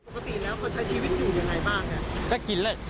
ปกติแล้วคนใช้ชีวิตอยู่อย่างไรบ้างจะกินแล้ว